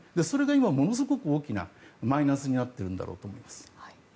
それが今ものすごく大きなマイナスになっているんだろうと思います。